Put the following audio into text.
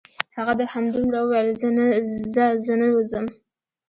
هغه همدومره وویل: ځه زه نه وځم.